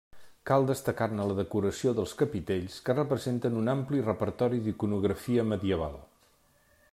Cal destacar-ne la decoració dels capitells, que representen un ampli repertori d'iconografia medieval.